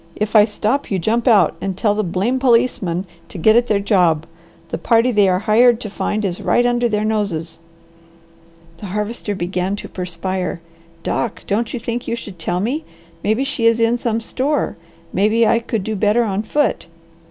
If I stop you jump out, and tell the blame policemen to get at their job. The party they are hired to find is right under their noses." The Harvester began to perspire. "Doc, don't you think you should tell me? Maybe she is in some store. Maybe I could do better on foot."